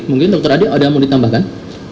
mungkin dr adi ada yang mau ditambahkan